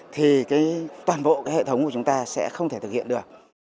thì toàn bộ hệ thống của chúng ta sẽ không thể thực hiện được